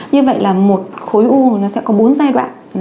như vậy là một khối u nó sẽ có bốn giai đoạn